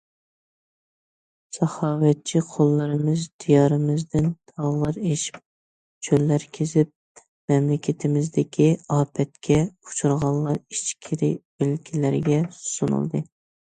ساخاۋەتچى قوللىرىمىز دىيارىمىزدىن تاغلار ئېشىپ، چۆللەر كېزىپ مەملىكىتىمىزدىكى ئاپەتكە ئۇچرىغانلار ئىچكىرى ئۆلكىلەرگە سۇنۇلدى.